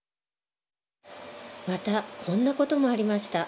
またこんな事もありました。